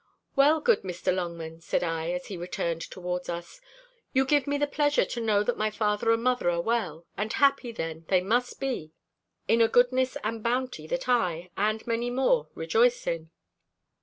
"Well, good Mr. Longman," said I, as he returned towards us, "you give me the pleasure to know that my father and mother are well; and happy then they must be, in a goodness and bounty, that I, and many more, rejoice in."